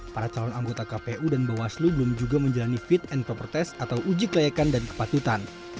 para calon anggota kpu dan bawaslu belum juga menjalani fit and proper test atau uji kelayakan dan kepatutan